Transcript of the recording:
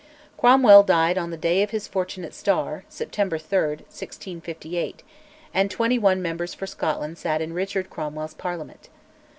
Cromwell died on the day of his fortunate star (September 3, 1658), and twenty one members for Scotland sat in Richard Cromwell's Parliament.